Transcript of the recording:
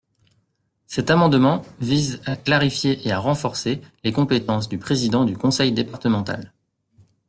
Cet amendement vise à clarifier et à renforcer les compétences du président du conseil départemental.